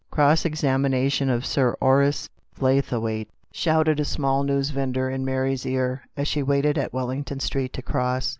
Cross examination of Sir Horace Blaythe waite!" shouted a small newsvender in Mary's ear, as she waited at Wellington Street to cross.